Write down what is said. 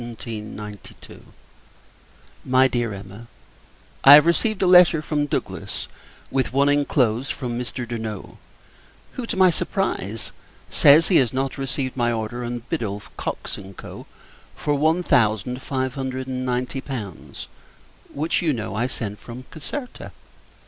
] MY DEAR EMMA, I have received a letter from Douglass; with one inclosed, from Mr. Durno; who, to my surprise, says, he has not received my order on Biddulph, Cockes, and Co. for one thousand five hundred and ninety pounds; which, you know, I sent from Caserta.